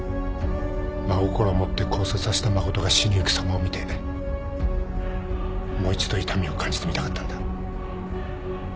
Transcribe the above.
真心を持って更生させた真が死にゆくさまを見てもう一度痛みを感じてみたかったんだ。